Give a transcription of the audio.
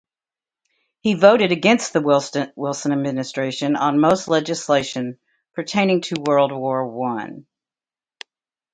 He voted against the Wilson Administration on most legislation pertaining to World War One.